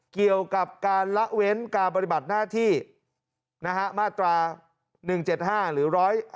เกี่ยวกับการละเว้นการปฏิบัติหน้าที่มาตรา๑๗๕หรือ๑๕